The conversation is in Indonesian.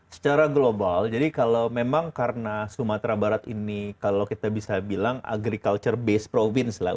secara global jadi kalau memang karena sumatera barat ini kalau kita bisa bilang agriculture based province lah